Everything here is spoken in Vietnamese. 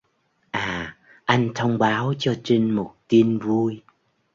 À anh thông báo cho trinh một tin vui